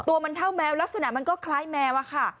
ตัวมันเท่าแมวลักษณะมันก็คล้ายแมวอะค่ะ